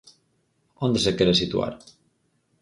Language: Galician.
¿Onde se quere situar?